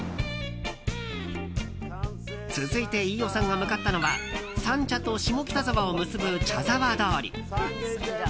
続いて飯尾さんが向かったのは三茶と下北沢を結ぶ茶沢通り。